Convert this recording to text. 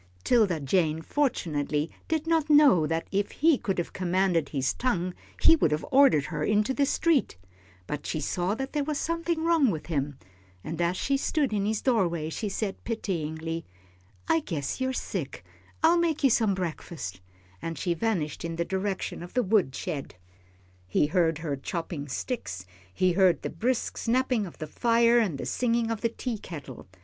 'Tilda Jane fortunately did not know that if he could have commanded his tongue he would have ordered her into the street, but she saw that there was something wrong with him, and as she stood in his doorway, she said, pityingly, "I guess you're sick; I'll make you some breakfast," and she vanished in the direction of the wood shed. He heard her chopping sticks, he heard the brisk snapping of the fire and the singing of the teakettle.